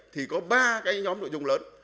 thì có ba cái nhóm nội dung lớn